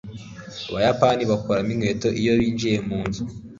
Abayapani bakuramo inkweto iyo binjiye munzu